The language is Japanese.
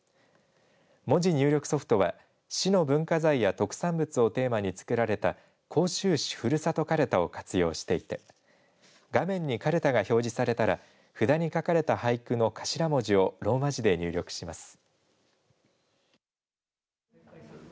文字入力ソフトは市の文化財や特産物をテーマに作られた甲州市ふるさとかるたを活用していて画面に、かるたが表示されたら札に書かれた俳句の頭文字をローマ字で入力します。